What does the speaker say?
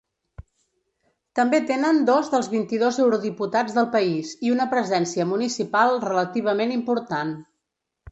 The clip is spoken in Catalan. També tenen dos dels vint-i-dos eurodiputats del país i una presència municipal relativament important.